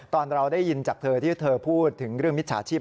ตอนเราได้ยินจากเธอที่เธอพูดถึงเรื่องมิจฉาชีพ